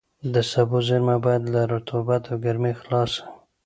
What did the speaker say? د سبو زېرمه باید له رطوبت او ګرمۍ خلاصه وي.